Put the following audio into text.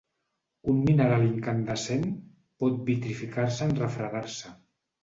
Un mineral incandescent pot vitrificar-se en refredar-se.